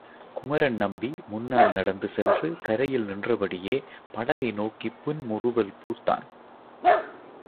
குமரன் நம்பி முன்னால் நடந்து சென்று கரையில் நின்ற படியே படகை நோக்கிப் புன்முறுவல் பூத்தான்.